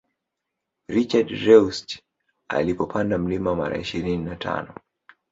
Richard reusch alipopanda mlima mara ishirini na tano